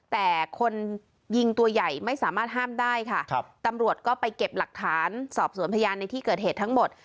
แต่คนยิงตัวใหญ่ไม่สามารถห้ามได้ค่ะครับตำรวจก็ไปเก็บหลักฐานสอบสวนพยานในที่เกิดเหตุทั้งหมด